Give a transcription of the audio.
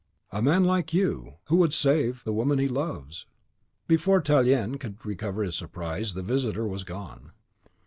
"A man like you, who would save the woman he loves." Before Tallien could recover his surprise, the visitor was gone.